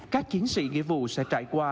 các chiến sĩ nghĩa vụ sẽ trải qua